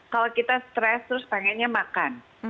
kalau kita stres terus pengennya makan